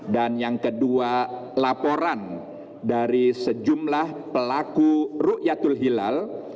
dan yang kedua laporan dari sejumlah pelaku rukyatul hilal